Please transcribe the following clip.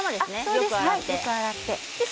よく洗って。